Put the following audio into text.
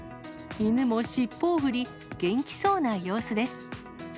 犬も尻尾を振り、元気そうな様子です。